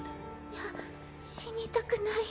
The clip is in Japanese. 嫌死にたくない。